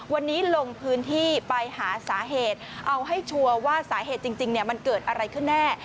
วันนี้ลงพื้นที่ไปหาสาเหตุเอาให้ชัวร์ว่าสาเหตุจริงมันเกิดอะไรขึ้นแน่